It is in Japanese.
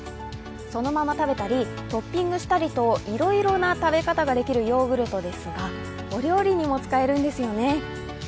そのまま食べたり、トッピングしたりと、いろいろな食べ方ができるヨーグルトですがお料理にも使えるんですよね。